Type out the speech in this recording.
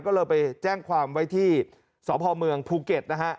ก็เลยไปแจ้งความไว้ที่สพเมืองภูเก็ตนะฮะ